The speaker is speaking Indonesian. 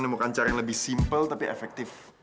menemukan cara yang lebih simpel tapi efektif